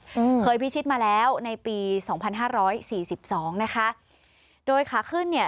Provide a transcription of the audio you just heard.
อืมเคยพิชิตมาแล้วในปีสองพันห้าร้อยสี่สิบสองนะคะโดยขาขึ้นเนี่ย